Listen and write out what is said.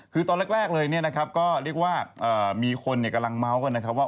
คือตอนแรกเลยเนี่ยนะครับก็เรียกว่ามีคนกำลังเมาส์กันนะครับว่า